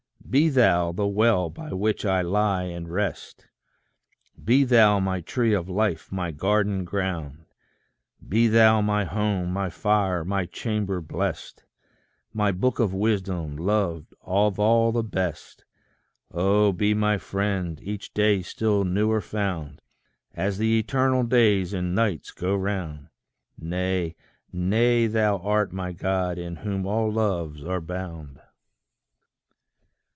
Be thou the well by which I lie and rest; Be thou my tree of life, my garden ground; Be thou my home, my fire, my chamber blest, My book of wisdom, loved of all the best; Oh, be my friend, each day still newer found, As the eternal days and nights go round! Nay, nay thou art my God, in whom all loves are bound!